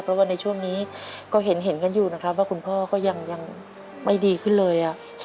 เพราะว่าในช่วงนี้ก็เห็นกันอยู่นะครับว่าคุณพ่อก็ยังไม่ดีขึ้นเลย